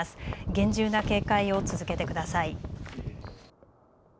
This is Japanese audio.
厳重な警戒を続けてください。